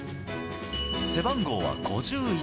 背番号は５１。